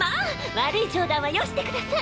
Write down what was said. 悪い冗談はよしてください。